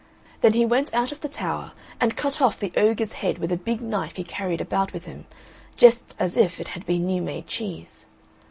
Then he went out of the tower and cut off the ogre's head with a big knife he carried about with him, just as if it had been new made cheese.